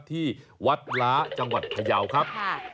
ที่วัดล้าจังหวัดพยาวครับ